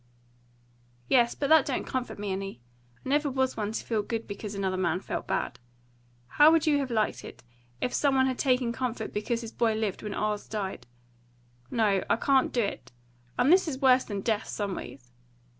"Yes, but that don't comfort me any. I never was one to feel good because another man felt bad. How would you have liked it if some one had taken comfort because his boy lived when ours died? No, I can't do it. And this is worse than death, someways.